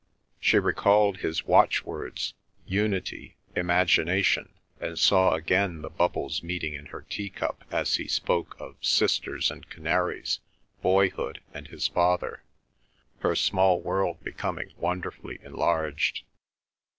She recalled his watch words—Unity—Imagination, and saw again the bubbles meeting in her tea cup as he spoke of sisters and canaries, boyhood and his father, her small world becoming wonderfully enlarged.